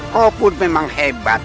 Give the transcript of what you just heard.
kau pun memang hebat